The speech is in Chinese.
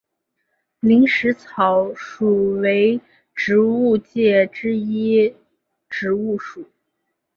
林石草属为植物界之一植物属。